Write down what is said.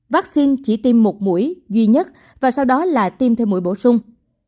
vắc xin chỉ tiêm một mũi duy nhất và sau đó là tiêm thêm mũi bổ sung